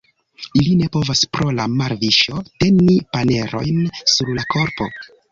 Ili ne povas pro la marviŝo teni panerojn sur la korpo.